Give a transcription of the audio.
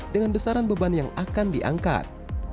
dengan besaran beban yang akan diangkat